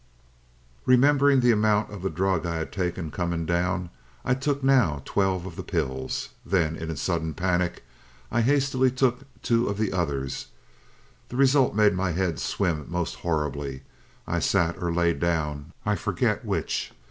"Remembering the amount of the drug I had taken coming down, I took now twelve of the pills. Then, in a sudden panic, I hastily took two of the others. The result made my head swim most horribly. I sat or lay down, I forget which.